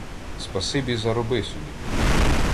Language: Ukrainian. Спасибі зароби собі.